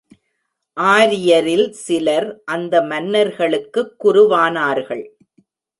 ஆரியரில் சிலர் அந்த மன்னர்களுக்குக் குருவானார்கள்.